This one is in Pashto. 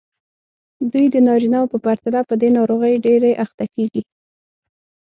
دوی د نارینه وو په پرتله په دې ناروغۍ ډېرې اخته کېږي.